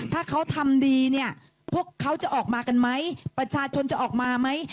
ถ้าเขาทำดีเนี่ยพวกเขาจะออกมากันไหมประชาชนจะออกมาไหม